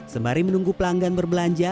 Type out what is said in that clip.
sembari menunggu pelanggan berbelanja